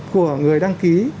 của người đăng ký